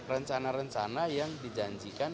rencana rencana yang dijanjikan